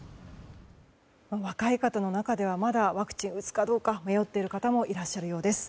若い方の中ではまだワクチンを打つかどうか迷っている方もいらっしゃるようです。